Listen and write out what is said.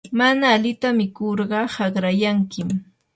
mana alita mikurqa haqrayankim.